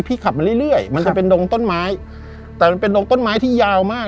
ขับมาเรื่อยเรื่อยมันจะเป็นดงต้นไม้แต่มันเป็นดงต้นไม้ที่ยาวมาก